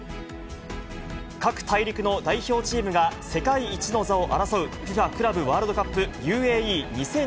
各大陸の代表チームが世界一の座を争う、ＦＩＦＡクラブワールドカップＵＡＥ２０２１。